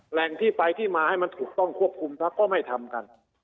แหล่งที่ไปที่มาให้มันถูกต้องควบคุมแล้วก็ไม่ทำกัน